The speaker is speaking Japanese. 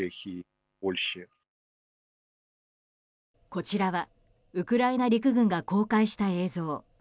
こちらはウクライナ陸軍が公開した映像。